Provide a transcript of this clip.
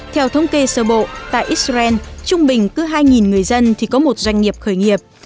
theo thống kê sơ bộ tại israel trung bình cứ hai người dân thì có một doanh nghiệp khởi nghiệp